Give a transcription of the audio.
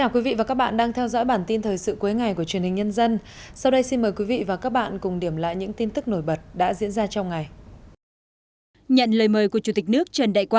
các bạn hãy đăng ký kênh để ủng hộ kênh của chúng mình nhé